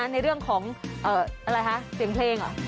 ในเรื่องของอะไรคะเสียงเพลงเหรอ